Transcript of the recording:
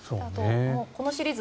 このシリーズ